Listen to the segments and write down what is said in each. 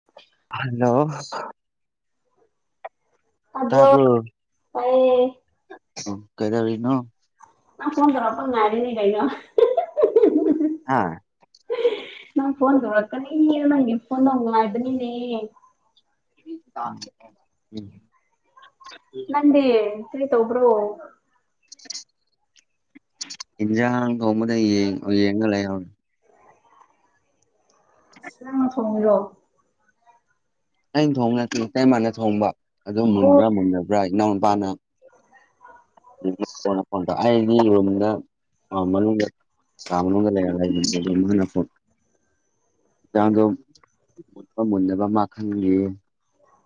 [inaudible] hello ꯇꯥꯕ꯭ꯔꯣ ꯇꯄꯣ ꯇꯥꯏꯌꯦ ꯀꯩꯗꯕꯔꯤ ꯅꯣ ꯑ ꯐꯣꯟ ꯀꯔ ꯄ ꯉꯔꯤꯅꯤ ꯀꯥꯏꯒ ꯍꯥ ꯅꯪ ꯐꯣꯟ ꯇꯧꯔꯛ ꯀꯅꯤ ꯅꯪ ꯐꯣꯟ ꯇ ꯍꯥꯏꯗꯅꯤꯅꯦ [unintelligible] ꯅꯪꯗꯤ ꯀꯔꯤꯇꯣꯕ꯭ꯔꯣ ꯏꯟꯖꯥꯡ ꯊꯣꯡꯕꯗ ꯌꯦꯡꯉ ꯂꯩꯍꯧꯅꯤ ꯁꯟ ꯊꯣꯡꯉꯤꯂꯣ ꯑꯩꯅ ꯊꯣꯡꯉꯁꯤꯦ ꯏꯩ ꯃꯥꯥꯟꯅ ꯊꯣꯡꯕ ꯑꯗꯨ ꯑꯣ ꯃꯨꯟꯕ꯭ꯔꯥ ꯃꯨꯟꯅꯕ꯭ꯔꯥ ꯏꯅꯥꯎ ꯅꯨꯄꯥꯅ ꯐꯣꯟ ꯑꯩꯗꯤ ꯔꯨꯝꯗ ꯃꯅꯨꯡꯗ ꯇꯣ ꯂꯩꯅ ꯐꯗꯣ ꯃꯨꯠꯄ ꯃꯨꯟꯅꯕ ꯃꯈꯜꯒꯤ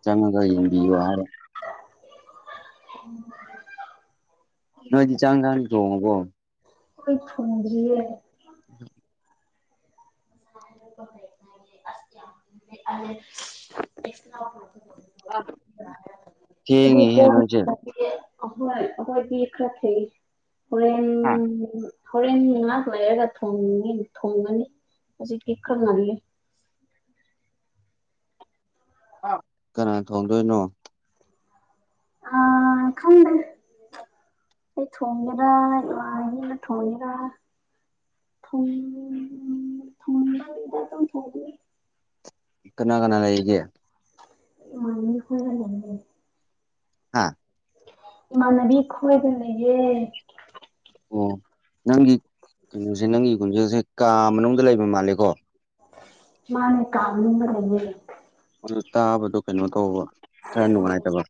ꯆꯪꯉꯒ ꯌꯦꯡꯕꯤꯌꯨ ꯍꯥꯏꯔꯣ ꯎꯝ ꯅꯣꯏꯗꯤ ꯆꯥꯡ ꯀꯥꯟ ꯊꯣꯡꯉꯣꯕꯣ ꯑꯩꯈꯣꯏ ꯐꯣꯡꯗ꯭ꯔꯤꯌꯦ ꯎꯝ ꯍꯥꯏꯔ ꯁ ꯀꯉ ꯀꯣꯟꯅ ꯍꯦꯔꯣꯖꯦ ꯊꯣꯡꯉꯦ ꯑꯍꯣꯏ ꯑꯩꯈꯍꯣꯏ ꯈꯔ ꯊꯦ ꯍꯥ ꯍꯣꯔꯦꯟꯦꯟ ꯍꯣꯔꯦꯟ ꯉꯍꯥꯛ ꯂꯩꯔꯒ ꯊꯣꯡ ꯊꯣꯡꯒꯅꯤ ꯍꯧꯖꯤꯛꯇꯤ ꯈꯔ ꯉꯜꯂꯤ ꯀꯅꯥꯅ ꯊꯣꯡꯗꯣꯏꯅꯣ ꯑ ꯈꯗ ꯑꯩ ꯊꯣꯡꯒꯦꯔꯥ ꯏꯃꯥꯏꯅꯤꯅ ꯊꯣꯡꯉꯦꯔꯥ ꯊꯣꯡ ꯊ ꯂꯩꯗ ꯑꯗꯨ ꯊ ꯀꯅꯥ ꯀꯅꯥ ꯂꯩꯒꯦ ꯃꯅꯤ ꯍꯔ ꯂꯦ ꯍꯥꯥ ꯏꯃꯥꯟꯅꯕꯤ ꯈꯣꯏꯗ ꯂꯩꯒꯦ ꯑꯣ ꯅꯪꯒꯤ ꯀꯩꯅꯣꯁꯦ ꯅꯪꯒꯤ ꯈꯣꯟꯖꯦꯜꯁꯦ ꯀꯥ ꯃꯅꯨꯡꯗ ꯂꯩꯕ ꯃꯥꯜꯂꯦꯀꯣ ꯃꯥꯅꯦ ꯀꯥꯥꯟꯔꯦ ꯑꯗꯨ ꯇꯥꯕꯗꯣ ꯀꯩꯅꯣ ꯇꯧꯕꯧꯕ ꯈꯔ ꯅꯨꯡꯉꯥꯏꯇꯕ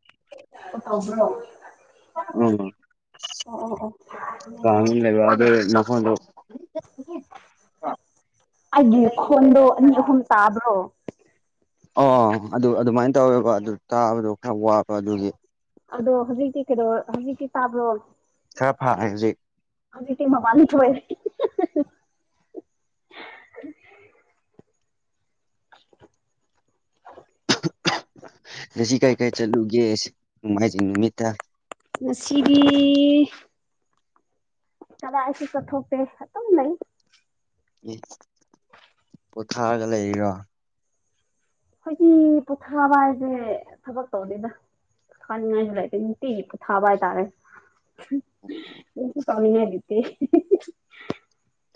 ꯇꯥꯎꯁꯣ ꯎꯝ ꯀꯅ ꯂꯩꯕꯗ ꯅ ꯐꯣꯟꯗ ꯑ ꯒꯤꯀꯣꯟꯣ ꯅꯅꯤ ꯍꯟ ꯇꯥꯕ꯭ꯔꯣ ꯑꯣ ꯑꯗꯨ ꯑꯗꯨꯃꯥꯏꯅ ꯇꯧꯋꯦꯕ ꯑꯗꯨ ꯇꯥꯕꯗꯣ ꯈꯔ ꯋꯥꯕ ꯑꯗꯨꯒꯤ ꯑꯗꯣ ꯍꯧꯖꯤꯛꯇꯤ ꯀꯩꯅꯣ ꯍꯧꯖꯤꯛꯇꯤ ꯇꯥꯕ꯭ꯔꯣ ꯈꯔ ꯐꯥꯉꯦ ꯍꯧꯖꯤꯛ ꯑꯕꯤꯇꯤꯝ ꯃꯥꯅꯤ ꯆꯥꯏ ꯑꯗ ꯁꯤ ꯀꯔꯤ ꯀꯥꯏ ꯆꯠꯂꯨꯒꯦ ꯅꯣꯡꯃꯥꯏꯖꯤꯡ ꯅꯨꯃꯤꯠꯇ ꯉꯁꯤꯗꯤ ꯀꯗꯥꯁꯤꯁ ꯊꯧꯇꯦ ꯂꯩ ꯎ ꯄꯣꯊꯥꯔꯒ ꯂꯩꯔꯤꯔꯣ ꯑꯩꯈꯣꯏꯒꯤ ꯄꯣꯊꯥꯕ ꯍꯥꯏꯁꯦ ꯊꯕꯛ ꯇꯧꯅꯤꯅ ꯊꯅꯤꯡꯉꯥꯏꯂꯥꯏꯇꯤ ꯀ ꯊꯥꯕꯥꯏꯇꯥꯔꯦ ꯀꯃꯤ ꯍꯥꯏ ꯂꯩꯇ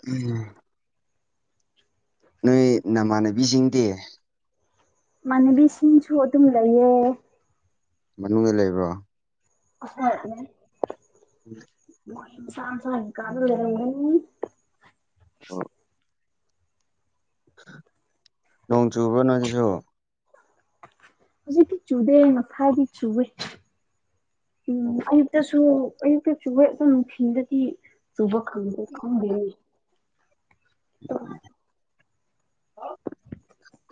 ꯎꯝ ꯅꯣꯏ ꯅꯃꯥꯟꯅꯕꯤꯁꯤꯡꯗꯤ ꯃꯅꯤ ꯁꯤꯡꯅꯁꯨ ꯑꯗꯨꯝ ꯂꯩꯌꯦꯦ ꯃꯅꯨꯡꯗ ꯂꯩꯕ꯭ꯔꯣ ꯑꯁ ꯍꯥꯏꯅꯦ ꯃꯣꯏ ꯁꯥꯟ ꯁꯥꯟ ꯀꯥꯗ ꯂꯩꯔꯒ ꯍꯣ ꯅꯣꯡ ꯆꯨꯕ꯭ꯔꯣ ꯅꯣꯏꯒꯤꯁꯨ ꯍꯧꯖꯤꯛꯗꯤ ꯆꯨꯗꯦ ꯃꯁꯥꯏꯗꯤ ꯆꯨꯋꯦ ꯎꯝ ꯑꯣ ꯑꯌꯨꯛꯇꯁꯨ ꯑꯌꯨꯛꯇ ꯆꯨꯋꯦ ꯑꯗꯨ ꯅꯨꯡꯊꯤꯟꯗꯗꯤ ꯆꯨꯕ ꯈꯪꯗꯦ ꯈꯪꯗꯦꯅꯦ [unintelligible]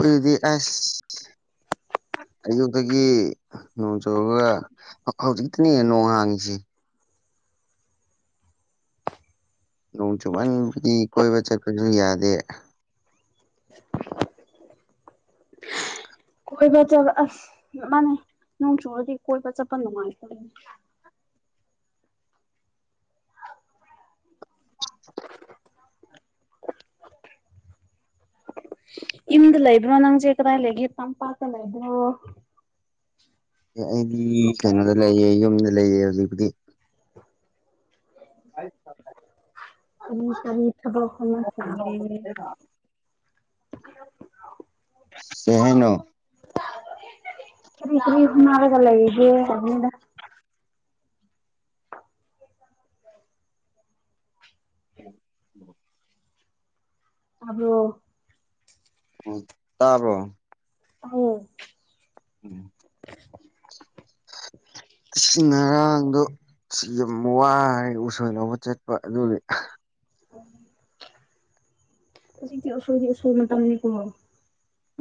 ꯑꯗꯨꯗꯤ ꯑꯁ ꯑꯌꯨꯛꯇꯒꯤ ꯅꯣꯡ ꯆꯨꯨꯔꯒ ꯍꯧꯖꯤꯛꯇꯅꯦ ꯅꯣꯡ ꯍꯥꯡꯉꯤꯁꯤ ꯅꯣꯡ ꯆꯨꯃꯟꯕꯒꯤ ꯀꯣꯏꯕ ꯆꯠꯄꯁꯨ ꯌꯥꯗꯦ ꯀꯣꯏꯕ ꯆꯠꯕ ꯑꯁ ꯃꯥꯅꯦ ꯅꯣꯡ ꯆꯣꯡꯨꯔꯗꯤ ꯀꯣꯏꯕ ꯆꯠꯄ ꯅꯨꯡꯉꯥꯏꯇꯅꯦ ꯏꯝꯗ ꯂꯩꯕ꯭ꯔꯣ ꯅꯪ ꯆꯦ ꯀ꯭ꯔ ꯂꯩꯒꯤꯦ ꯇꯝꯄꯥꯛꯇ ꯂꯩꯕ꯭ꯔꯣ ꯑꯦ ꯑꯩꯗꯤ ꯀꯩꯅꯣꯗ ꯂꯩꯌꯦ ꯌꯨꯝꯗ ꯂꯩꯌꯦ ꯍꯧꯖꯤꯛꯄꯨꯗꯤ [unintelligible] ꯀꯔꯤ ꯀꯔꯤ ꯊꯕꯛ ꯍꯣꯠꯅ ꯈꯔꯒꯦ ꯀꯩ ꯍꯥꯏꯅꯣ ꯀꯔꯤ ꯀꯔꯤ ꯍꯅꯔꯒ ꯂꯩꯒꯦ ꯀꯅꯤꯗ [unintelligible] ꯇꯥꯕ꯭ꯔꯣ ꯎ ꯇꯥꯕ꯭ꯔꯣ ꯑꯧ ꯎꯝ ꯑꯁꯤ ꯉꯔꯥꯡꯗꯣ ꯁꯤ ꯌꯥꯝ ꯋꯥꯔꯦ ꯎꯁꯣꯏꯅꯕ ꯆꯠꯄ ꯑꯗꯨꯗꯤ [unintelligible] ꯍꯧꯖꯤꯛꯇꯤ ꯑꯁꯣꯏꯗꯤ ꯑꯁꯣꯏ ꯃꯇꯝꯅꯤꯅꯦꯀꯣ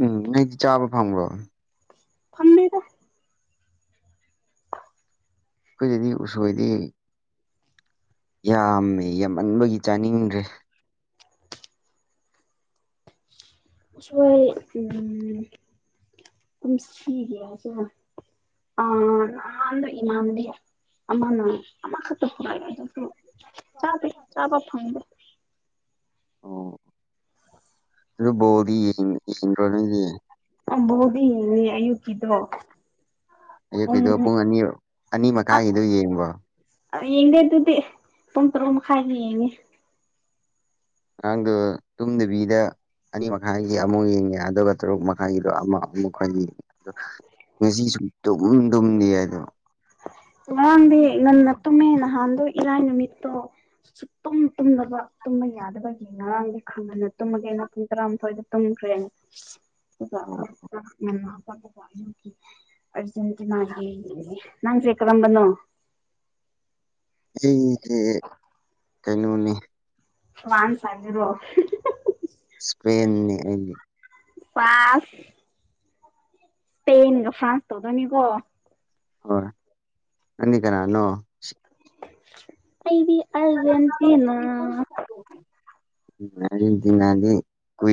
ꯎꯝ ꯅꯪꯗꯤ ꯆꯥꯕ ꯐꯪꯕ꯭ꯔꯣ ꯐꯪꯗꯦꯗ ꯑꯩꯈꯣꯏꯒꯤꯗꯤ ꯎꯁꯣꯏꯗꯤ ꯌꯥꯝꯃꯦ ꯌꯥꯝꯃꯟꯕꯒꯤ ꯆꯥꯅꯤꯡꯗ꯭ꯔꯦ ꯎꯁꯣꯏ ꯎꯝ ꯑ ꯑꯍꯥꯟꯗꯣ ꯏꯃꯥꯟꯅꯥꯕꯤ ꯑꯃꯅ ꯑꯃꯈꯛꯇ ꯄꯨꯔꯛꯑꯦ ꯑꯗꯨꯁꯨ ꯆꯥꯗꯦ ꯆꯥꯕ ꯐꯪꯗꯦ ꯑꯣ ꯑꯗꯨ ꯕꯔꯣꯗꯤ ꯌꯦꯡ ꯌꯦꯡꯗ꯭ꯔꯣ ꯅꯪꯗꯤ [unintelligible] ꯑꯌꯨꯛꯀꯤꯗꯣ ꯑꯌꯨꯛꯀꯤꯗꯣ ꯄꯨꯡ ꯑꯅꯤ ꯑꯅꯤ ꯃꯈꯥꯏꯒꯤꯗꯣ ꯌꯦꯡꯕꯣ ꯌꯦꯡꯗꯦ ꯑꯗꯨꯗꯤ ꯄꯨꯡ ꯇꯔꯨꯛ ꯃꯈꯥꯏ ꯌꯦꯡꯉꯤ ꯅꯪꯗꯣ ꯇꯨꯝꯗꯕꯤꯗ ꯑꯅꯤ ꯃꯈꯥꯏꯒꯤ ꯑꯃꯨꯛ ꯌꯦꯡꯉꯦ ꯑꯗꯨꯒ ꯇꯔꯨꯛ ꯃꯈꯥꯏꯒꯤꯗꯣ ꯑꯃ ꯑꯃꯨꯛꯀꯥ ꯌꯦꯡꯉꯦ ꯉꯁꯤ ꯁꯨꯛꯇꯨꯝ ꯇꯨꯝꯗꯦ ꯑꯗꯣ ꯉꯔꯥꯡꯗꯤ ꯉꯟꯅ ꯇꯨꯝꯃꯦ ꯅꯍꯥꯟꯗꯣ ꯏꯔꯥꯏ ꯅꯨꯃꯤꯠꯇꯣ ꯁꯨꯛꯇꯨꯝ ꯇꯨꯝꯅꯕ ꯇꯨꯝꯕ ꯌꯥꯗꯕꯒꯤ ꯉꯔꯥꯡꯗꯤ ꯈꯪꯍꯟꯅ ꯇꯨꯝꯃꯒꯦ ꯑꯩꯅ ꯄꯨꯡ ꯇꯔꯥꯃꯊꯣꯏꯗ ꯇꯨꯝꯈ꯭ꯔꯦ [unintelligible] ꯑꯥꯔꯖꯦꯟꯇꯤꯅ ꯌꯦꯡꯉꯦ ꯅꯪꯁꯦ ꯀꯔꯝꯕꯅꯣ ꯑꯩꯁꯦ ꯀꯩꯅꯣꯅꯦ [unintelligible] ꯏꯁꯄꯦꯟꯅꯦ ꯑꯩꯗꯤ ꯄꯥꯁ ꯏꯁꯄꯦꯟꯒ ꯐꯔ꯭ꯥꯟꯀ ꯇꯧꯗꯣꯏꯅꯤꯒꯣ ꯍꯣꯏ ꯅꯪꯅꯤ ꯀꯅꯥꯅꯣ ꯑꯩꯗꯤ ꯑꯔꯖꯦꯟꯇꯤꯅ ꯎꯝ ꯑꯔꯖꯦꯟꯇꯤꯅꯗꯤ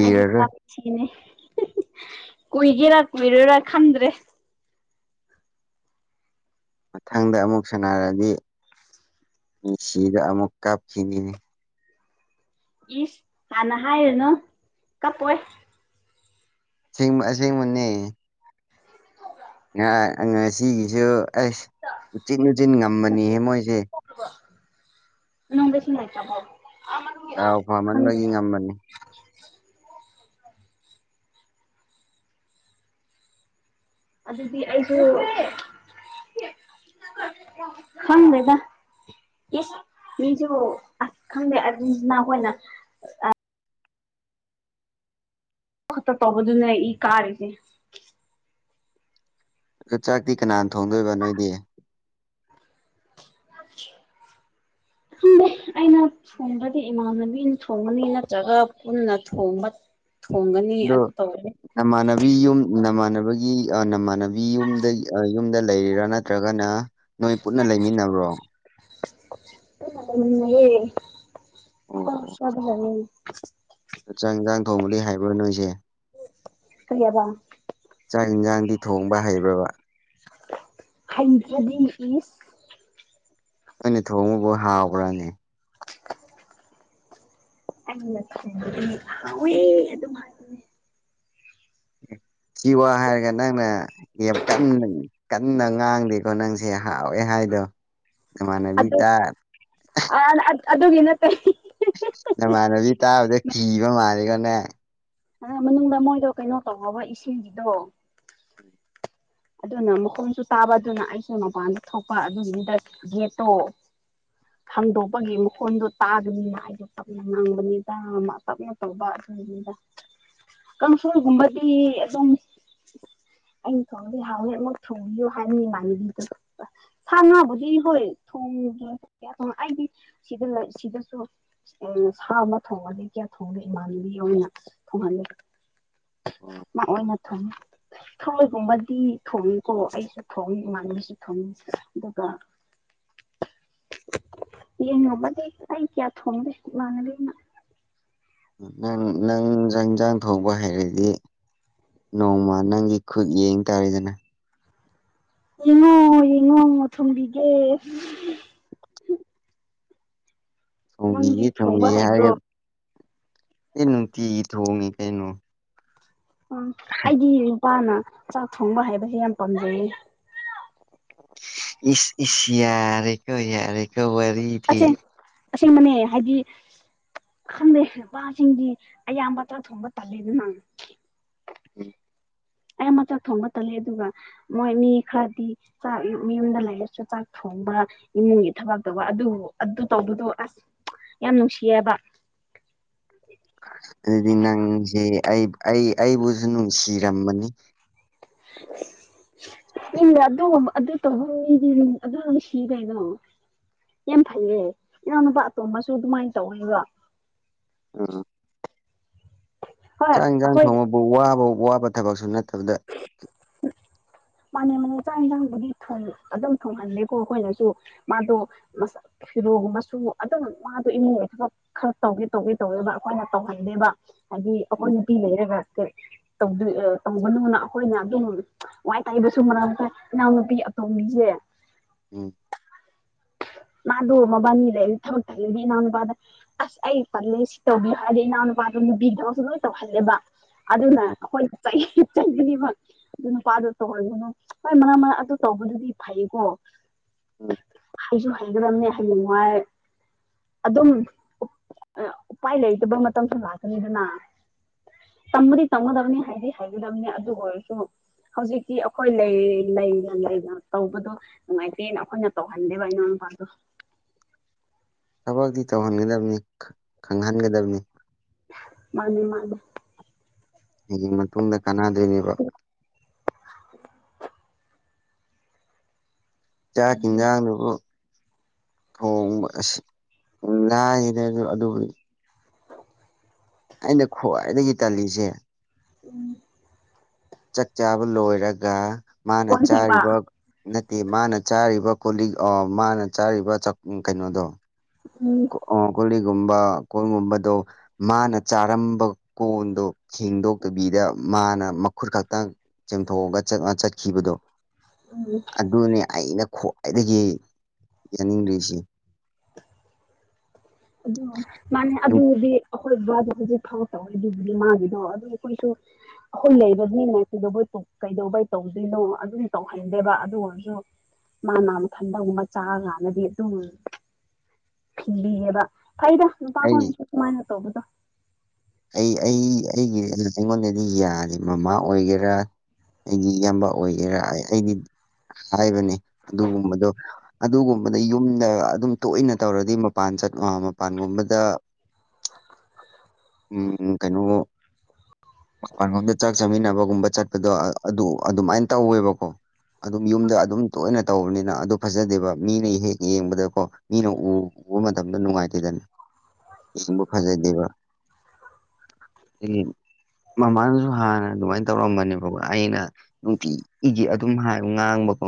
ꯑꯩꯗꯤ ꯀꯨꯏꯒꯦꯔꯥ ꯀꯨꯏꯔꯣꯏꯔꯥ ꯈꯟꯗ꯭ꯔꯦ ꯃꯊꯪꯗ ꯑꯃꯨꯛ ꯁꯅꯔꯗꯤ ꯃꯤꯁꯤꯗ ꯑꯃꯨꯛ ꯀꯥꯞꯈꯤꯅꯤꯅꯦ ꯏꯁ ꯍꯥꯟꯅ ꯍꯥꯏꯔꯨꯅꯨ ꯀꯞꯄꯣꯏ ꯁꯦꯡ ꯑꯁꯦꯡꯕꯅꯦ ꯉ ꯉꯁꯤꯒꯤꯁꯨ ꯑꯁ ꯎꯆꯤꯟ ꯎꯆꯤꯟ ꯉꯝꯕꯅꯤꯍꯦ ꯃꯣꯏꯁꯦ ꯗꯥꯎ ꯐꯃꯟꯕꯒꯤ [unintelligible] ꯉꯝꯕꯅꯤ ꯑꯗꯨꯗꯤ ꯑꯩꯁꯨ ꯈꯪꯗꯦꯗ ꯏꯁ ꯃꯤꯁꯨ ꯑꯁ ꯈꯪꯗꯦ ꯑꯔꯖꯦꯟꯇꯤꯅ ꯈꯣꯢꯅ ꯈꯠꯇ ꯇꯧꯕꯗꯨꯅꯦ ꯏ ꯀꯥꯔꯤꯁꯦ ꯑ ꯆꯥꯛꯇꯤ ꯀꯅꯥꯅ ꯊꯣꯡꯗꯣꯏꯕ ꯅꯣꯏꯗꯤ [inaudible] [unintelligible] ꯑꯩꯅ ꯊꯣꯡꯕꯗꯤ ꯏꯃꯥꯟꯅꯕꯤꯅ ꯊꯣꯡꯕꯅꯤ ꯅꯠꯇ꯭ꯔꯒ ꯄꯨꯟꯅ ꯊꯣꯡꯕ ꯊꯣꯡꯒꯅꯤ ꯑꯗꯣ ꯑꯗꯨ ꯇꯧꯔꯦ ꯅꯃꯥꯟꯅꯕꯤ ꯌꯨꯝ ꯅꯃꯥꯟꯅꯕꯒꯤ ꯅꯃꯥꯟꯅꯕꯤ ꯌꯨꯝꯗ ꯌꯨꯝꯗ ꯂꯩꯔꯤꯔꯥ ꯅꯠꯇ꯭ꯔꯒꯅ ꯅꯣꯏ ꯄꯨꯟꯅ ꯂꯩꯃꯤꯟꯅꯕ꯭ꯔꯣ ꯄꯨꯟꯅ ꯂꯩꯃꯤꯟꯅꯩꯌꯦ ꯑꯈꯣꯢ ꯍꯣꯁꯇꯦꯜ ꯗ ꯂꯩꯃꯤꯟ ꯆꯥꯛ ꯏꯟꯁꯥꯡ ꯊꯣꯡꯕꯗ ꯍꯥꯏꯕ꯭ꯔꯥ ꯅꯣꯏꯁꯦ ꯀꯩꯌꯥꯕ ꯆꯥꯛ ꯌꯦꯟꯁꯥꯡꯗꯤ ꯊꯣꯡꯕ ꯍꯩꯕ꯭ꯔꯕ ꯍꯩꯇꯔꯥꯗꯤ ꯏꯁ ꯅꯪꯅ ꯊꯣꯡꯉꯕꯨ ꯍꯥꯎꯕꯔꯅꯦ ꯑꯩꯅ ꯊꯣꯡꯕꯒꯤꯅꯦ ꯍꯥꯎꯏ ꯑꯗꯨꯝ ꯍꯥꯢ ꯖꯤꯋꯥ ꯍꯥꯏꯔꯒ ꯅꯪꯅ ꯌꯥꯝ ꯀꯟꯅ ꯀꯟꯅ ꯉꯥꯡꯗꯦꯀꯣ ꯅꯪꯁꯦ ꯍꯥꯎꯋꯦ ꯍꯥꯏꯗꯣ ꯅꯃꯥꯅꯕꯤ ꯇ ꯑ ꯑꯗꯨꯒꯤ ꯅꯠꯇꯦ ꯅꯃꯥꯟꯅꯕꯤ ꯇꯥꯕꯗ ꯀꯤꯕ ꯃꯥꯜꯂꯤꯀꯣ ꯅꯪ ꯑꯗ ꯃꯅꯨꯡꯗ ꯃꯣꯏꯗꯣ ꯀꯩꯅꯣ ꯇꯧꯕ ꯏꯁꯤꯡꯒꯤꯗꯣ ꯑꯗꯨꯅ ꯃꯈꯣꯟꯁꯨ ꯇꯥꯕ ꯑꯗꯨꯅ ꯑꯩꯁꯨ ꯃꯄꯥꯟꯗ ꯊꯣꯛꯄ ꯑꯗꯨꯒꯤꯅꯤꯗ ꯒꯦꯠꯇꯣ ꯍꯥꯡꯗꯣꯛꯄꯒꯤ ꯃꯈꯣꯟꯗꯣ ꯇꯥꯕꯅꯤꯅ ꯍꯥꯏꯗꯣ ꯇꯞꯅ ꯉꯥꯡꯕꯅꯤꯗ ꯇꯞꯅ ꯇꯧꯕ ꯑꯗꯨꯒꯤꯅꯤꯗ ꯀꯥꯡꯁꯣꯢꯒꯨꯝꯕꯗꯤ ꯑꯗꯨꯝ ꯑꯩ ꯍꯥꯎꯗꯤ ꯍꯥꯎꯌꯦ ꯑꯃꯨꯛ ꯊꯣꯡꯕꯤꯌꯨ ꯍꯥꯏꯕꯅꯤ ꯏꯃꯥꯟꯅꯕꯤꯗꯣ ꯁꯥ ꯉꯥꯕꯨꯗꯤ ꯍꯣꯏ ꯊꯣꯡꯗꯤ ꯑꯩꯗꯤ ꯁꯤꯗ ꯂꯩ ꯁꯤꯗꯁꯨ ꯁꯥ ꯑꯃ ꯊꯣꯡꯉꯗꯤ ꯀꯌꯥ ꯊꯣꯡꯗꯦ ꯏꯃꯥꯟꯅꯕꯤ ꯑꯣꯢꯅ ꯊꯣꯡꯍꯜꯂꯤ ꯃꯑꯣꯏꯄ ꯊꯣꯡꯉꯦ ꯊꯃꯣꯏꯒꯨꯝꯕꯗꯤ ꯊꯣꯡꯏꯀꯣ ꯑꯩꯁꯨ ꯊꯣꯡꯏ ꯏꯃꯥꯟꯅꯕꯤꯁꯨ ꯊꯣꯡꯏꯤ ꯑꯗꯨꯒ ꯌꯦꯟꯒꯨꯝꯕꯗꯤ ꯑꯩ ꯀꯌꯥ ꯊꯣꯡꯗꯦ ꯏꯃꯟꯅꯕꯤꯅ ꯅꯪ ꯅꯪ ꯏꯟꯖꯥꯡ ꯊꯣꯡꯕ ꯍꯩꯏꯔꯗꯤ ꯅꯣꯡꯃ ꯅꯪꯒꯤ ꯈꯨꯠ ꯌꯦꯡ ꯇꯥꯔꯦꯗꯅ ꯌꯦꯡꯉꯣ ꯌꯦꯡꯉꯣ ꯊꯣꯡꯕꯤꯒꯦ ꯊꯣꯡꯕꯤꯒꯦ ꯅꯪꯗꯤ ꯊꯣꯡꯕ ꯊꯣꯡꯕꯤꯒꯦ ꯍꯥꯏꯔꯒ ꯍꯩꯕ꯭ꯔꯣ ꯑꯦ ꯅꯨꯡꯇꯤꯒꯤ ꯊꯣꯡꯉꯦ ꯀꯩꯅꯣ ꯎꯝ ꯑꯩꯒꯤ ꯅꯨꯄꯥꯅ ꯆꯥꯛ ꯊꯣꯡꯕ ꯍꯩꯕꯁꯦ ꯌꯥꯝ ꯄꯥꯝꯖꯩꯌꯦ ꯏ ꯏ ꯌꯥꯔꯦ ꯀꯣ ꯌꯥꯔꯦ ꯀꯣ ꯋꯥꯔꯤ ꯑꯁꯦꯡ ꯑꯁꯦꯡꯕꯅꯦ ꯍꯥꯏꯗꯤ ꯈꯪꯗꯦ ꯅꯨꯄꯥꯁꯤꯡꯗꯤ ꯑꯌꯥꯝꯕ ꯇ ꯊꯣꯡꯕ ꯇꯜꯂꯤꯗ ꯅ ꯎꯝ ꯑꯩ ꯑꯃꯛ ꯆꯥꯛ ꯊꯣꯡꯕ ꯇꯜꯂꯦ ꯑꯗꯨꯒ ꯃꯣꯏ ꯃꯤ ꯈꯔꯗꯤ ꯆꯥꯛ ꯃꯤꯌꯨꯝꯗ ꯂꯩꯔꯁꯨ ꯆꯥꯛ ꯊꯣꯡꯕ ꯏꯃꯨꯡꯒꯤ ꯊꯕꯛꯇꯧꯕ ꯑꯗꯨ ꯑꯗꯨ ꯇꯧꯕꯗꯣ ꯑꯁ ꯌꯥꯝ ꯅꯨꯡꯁꯤꯌꯦꯕ ꯑꯗꯨꯗꯤ ꯅꯪꯁꯦ ꯑꯩ ꯑꯩ ꯑꯩꯕꯨꯁꯨ ꯅꯨꯡꯁꯤꯔꯝꯃꯅꯤ ꯏ ꯑꯗꯨ ꯑꯗꯨ ꯇ ꯑꯗꯨꯤꯒ ꯏꯗꯣ [unintelligible] ꯌꯥꯝ ꯐꯩꯌꯦ ꯏꯅꯥꯎꯅꯨꯄꯥ ꯑꯇꯣꯝꯕꯁꯨ ꯑꯗꯨꯃꯥꯏꯅ ꯇꯧꯋ‌ꯦꯕ ꯎꯝ ꯍꯣꯏ ꯆꯥꯛ ꯌꯦꯟꯁꯥꯡ ꯑꯩꯈꯣꯏ ꯊꯣꯡꯕꯕꯨ ꯋꯥꯕ ꯋꯥꯕ ꯊꯕꯛꯁꯨ ꯅꯠꯇꯕꯗ ꯃꯥꯅꯦ ꯃꯥꯅꯦ ꯆꯥꯛ ꯏꯟꯁꯥꯡꯕꯨꯗꯤ ꯑꯗꯨꯝ ꯊꯣꯡꯍꯜꯂꯦꯀꯣ ꯑꯩꯈꯣꯏꯅꯁꯨ ꯃꯥꯗꯣꯁ ꯐꯤꯔꯣꯒꯨꯝꯕꯁꯨ ꯑꯗꯨꯝ ꯃꯥꯗꯣ ꯏꯃꯨꯡꯒꯤ ꯊꯕꯛ ꯈꯔ ꯇꯧꯒꯦ ꯇꯧꯒꯦ ꯇꯧꯋꯦꯕ ꯑꯩꯈꯣꯏꯅ ꯇꯧꯍꯟꯗꯦꯕ ꯍꯥꯏꯗꯤ ꯑꯩꯈꯣꯏ ꯎꯝ ꯅꯨꯄꯤ ꯂꯩꯔꯒꯦ ꯀ ꯇꯧꯗꯔꯤ ꯑꯥ ꯇꯧꯒꯅꫭꯅ ꯑꯩꯈꯣꯏꯅ ꯑꯗꯨꯝ ꯋꯥꯏ ꯇꯥꯏꯕꯁꯨ ꯃꯔꯝ ꯐꯥꯏ ꯏꯅꯥꯎꯅꯨꯄꯤ ꯑꯇꯣꯝꯕꯤꯁꯦ [inaudible] ꯃꯗꫭ‌‌ ꯃꯕꯅꯤ ꯂꯩꯔꯗꯤ ꯊꯕꯛ ꯇꯟꯂꯗꯤ ꯏꯅꯥꯎꯅꯨꯄꯗ ꯑꯁ ꯑꯩ ꯇꯜꯂꯦ ꯁꯤ ꯇꯧꯕꯤꯌꯨ ꯍꯥꯏꯗꯤ ꯏꯅꯥꯎ ꯅꯨꯄꯥꯗꯣ ꯅꯨꯄꯤꯒꯤꯁꯨ ꯊꯕꯛꯁꯨ ꯂꯣꯏ ꯇꯧꯍꯜꯂꯦꯕ ꯑꯗꯨꯅ ꯑꯩꯈꯣꯏ ꯆꯩ ꯆꯩꯒꯅ‌ꯦꯕ ꯑꯗꯨ ꯅꯨꯄꯥꯗꫭ ꯇꯧꯍꯟꯒꯅꯨ ꯍꯣꯏ ꯃꯥꯔꯛ ꯃꯥꯔꯛ ꯑꯗꯨ ꯇꯧꯕꯗꯨꯗꯤ ꯐꯩꯀꯣ ꯍꯥꯏꯁꯨ ꯍꯩꯒꯗꯝꯅꯦ ꯍꯌꯦꯡꯋꯥꯏ ꯑꯗꯨꯝ ꯎꯄꯥꯏ ꯂꯩꯇꯕ ꯃꯇꯝꯁꯨ ꯂꯥꯛꯀꯅꯤꯗꯅ ꯇꯝꯕꯗꯤ ꯇꯝꯒꯗꯕꯅꯤ ꯍꯥꯏꯗꯤ ꯍꯥꯏꯕꯤꯗꯕꯅꯤ ꯑꯗꯨ ꯑꯣꯏꯔꯁꯨ ꯍꯧꯖꯤꯛ ꯇꯤ ꯑꯩꯈꯣꯏ ꯂꯩꯔꯤ ꯂꯩꯅ ꯂꯩꯅ ꯇꯧꯕꯗꯣ ꯅꯨꯡꯉꯥꯏꯇꯦꯅ ꯑꯩꯈꯣꯏꯅ ꯇꯧꯍꯟꯗꯦꯕ ꯏꯅꯥꯎ ꯅꯨꯄꯥꯗꯣ ꯊꯕꯛꯇꯤ ꯇꯧꯍꯟꯒꯗꯕꯅꯤ ꯈꯪꯍꯟꯒꯗꯕꯅꯤ ꯃꯥꯅꯦ ꯃꯥꯅꯦ ꯍꯡ [unintelligible] ꯃꯇꯨꯡꯗ ꯀꯥꯟꯅꯗ꯭ꯣꯏꯅꯦꯕ [unintelligible] ꯆꯥꯛ ꯍꯤꯟꯖꯥꯡꯗꯨꯕꯨ ꯊꯣꯡꯕ ꯑꯁ ꯅꯥꯏꯗ [unintelligible] ꯑꯗꯨꯕꯨꯗꯤ ꯑꯩꯅ ꯈ꯭ꯋꯥꯏꯗꯒꯤ ꯇꯜꯂꯤꯁꯦ ꯎꯝ ꯆꯥꯛ ꯆꯥꯕ ꯂꯣꯏꯔꯒ ꯃꯥꯅ ꯀꯣꯟ ꯐꯦꯡꯕ ꯆꯥꯔꯤꯕ ꯅꯠꯇꯦ ꯃꯥꯅ ꯆꯥꯔꯤꯕ ꯀꯣꯂꯤꯛ ꯃꯥꯅ ꯆꯥꯛꯀ ꯀꯩꯅꯣꯗꯣ ꯎꯝ ꯀꯣꯟꯂꯤꯛꯒꯨꯝꯕ ꯀꯣꯜꯒꯨꯝꯕꯗꯣ ꯃꯥꯅ ꯆꯥꯔꯝꯕ ꯀꯣꯟꯗꯣ ꯐ‌ꯦꯡꯗꯣꯛꯇꯕꯤꯗ ꯃꯥꯅ ꯃꯈꯨꯠ ꯈꯛꯇꯪ ꯆꯥꯝꯊꯣꯛꯑꯒ ꯆꯠ ꯆꯠꯈꯤꯕꯗꯣ ꯎꯝ ꯑꯗꯨꯅꯤ ꯑꯩꯅ ꯈ꯭ꯋꯥꯏꯗꯒꯤ ꯌꯥꯅꯤꯡꯗ꯭ꯔꯤꯁꯤ ꯑꯗꯣ ꯃꯥꯅꯦ ꯑꯗꯨꯕꯨꯗꯤ ꯑꯩꯈꯣꯏ ꯕꯕꯥꯗꯣ ꯍꯧꯖꯤꯛ ꯐꯥꯎ ꯇꯧꯋꯣꯏꯗꯨꯕꯨꯗꯤ ꯃꯥꯒꯤꯗꯣ ꯑꯗꯨꯝ ꯑꯩꯈꯣꯏꯁꯨ ꯑꯩꯈꯣꯏ ꯂꯩꯔꯗꯤꯅ ꯀꯩꯗꯧꯕꯩ ꯀꯩꯗꯧꯕꯩ ꯇꯧꯗꯣꯏꯅꯣ ꯑꯗꯨꯝ ꯇꯧꯍꯟꯗꯦꯕ ꯑꯗꯨ ꯑꯣꯏꯔꯁꯨ ꯃꯥ ꯃꯥ ꯃꯊꯟꯗꯒꯨꯝꯕ [unintelligible] ꯆꯥꯔꯀꯥꯟꯅꯗꯤ ꯑꯗꯨꯝ ꯊꯤꯕꯤꯌꯦꯕ ꯐꯩꯗ ꯅꯨꯄ ꯑꯩ ꯈꫭꯏꯅꯁꯨ ꯑꯗꯨꯃꯥꯏꯅ ꯇꯧꯕꯗꯣ ꯑꯩ ꯑꯩ ꯑꯩꯒꯤ ꯑꯩꯉꯣꯟꯗꯗꯤ ꯌꯥꯗ‌ꯦ ꯃꯃꯥ ꯑꯣꯏꯒꯦꯔꯥ ꯑꯩꯗꯤ ꯏꯌꯥꯝꯕ ꯑꯣꯏꯒꯦꯔꯥ ꯑꯩꯗꯤ ꯍꯥꯏꯕꯅꯦ ꯑꯗꯨꯒꯨꯝꯕꯗꯣ ꯑꯗꯨꯒꯨꯝꯕꯗ ꯌꯨꯝꯗ ꯑꯗꯨꯝ ꯇꯣꯏꯅ ꯇꯧꯔꯗꯤ ꯃꯄꯥꯟ ꯆꯠ ꯃꯄꯥꯟꯒꯨꯝꯕꯗ ꯎꯝ ꯀꯩꯅꯣ ꯃꯄꯥꯟ ꯒꯝꯗ ꯆꯥꯛ ꯆꯥꯃꯤꯟꯅꯕꯒꯨꯝꯕ ꯆꯠꯄꯗꯣ ꯑꯗꯨ ꯑꯗꯨꯃꯥꯏꯅ ꯇꯧꯋꯦꯕꯀꯣ ꯑꯗꯨꯝ ꯌꯨꯝꯗ ꯑꯗꯨꯝ ꯇꯣꯏꯅ ꯇꯧꯕꯅꯤꯅ ꯑꯗꯨ ꯐꯖꯗꯦꯕ ꯃꯤꯅ ꯍꯦꯛ ꯌꯦꯡꯕꯗꯀꯣ ꯃꯤꯅ ꯎ ꯎꯕ ꯃꯇꯝꯗ ꯅꯨꯡꯉꯥꯏꯇꯦꯗꯅ ꯏꯁꯤꯡꯕꯨ ꯐꯖꯗꯦꯕ ꯃꯃꯥꯅꯁꯨ ꯍꯥꯟꯅ ꯑꯗꯨꯃꯥꯏꯅ ꯇꯧꯔꯛꯑꯝꯕꯅꯦꯕ ꯑꯩꯅ ꯅꯨꯡꯇꯤ ꯏꯒꯤꯦ ꯑꯗꯨꯝ ꯍꯥꯏꯌ ꯉꯥꯡꯕꯀꯣ